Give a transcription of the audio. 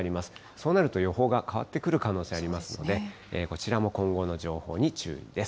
そうなると予報が変わってくる可能性ありますので、こちらも今後の情報に注意です。